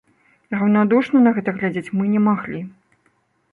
Раўнадушна на гэта глядзець мы не маглі.